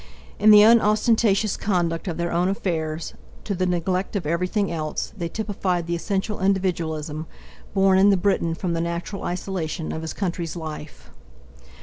In the unostentatious conduct of their own affairs, to the neglect of everything else, they typified the essential individualism, born in the Briton from the natural isolation of his country's life.